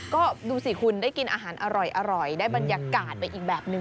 ก็ดูสิคุณได้กินอาหารอร่อยได้บรรยากาศไปอีกแบบนึง